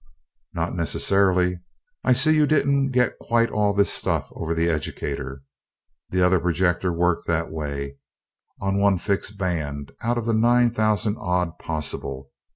"Not necessarily I see you didn't get quite all this stuff over the educator. The other projector worked that way, on one fixed band out of the nine thousand odd possible.